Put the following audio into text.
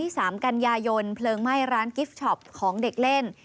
สามกันยายนเพลิงไหม้ร้านกิฟต์ช็อปของเด็กเล่น